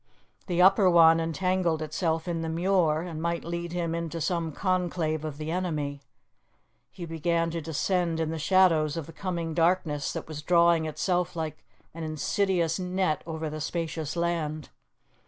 The upper one entangled itself in the Muir, and might lead him into some conclave of the enemy. He began to descend in the shadows of the coming darkness that was drawing itself like an insidious net over the spacious land.